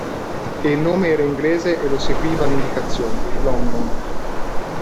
E il nome era inglese e lo seguiva l'indicazione: London.